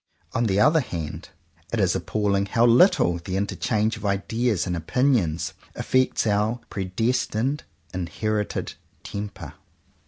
On the other hand, it is appalling how little the interchange of ideas and opinions affects our predestined, inherited temper.